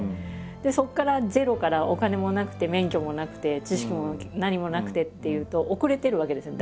そこからゼロからお金もなくて免許もなくて知識も何もなくてっていうと遅れてるわけですよね。